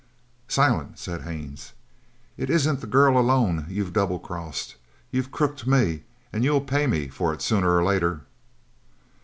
"Silent," said Haines, "it isn't the girl alone you've double crossed. You've crooked me, and you'll pay me for it sooner or later!"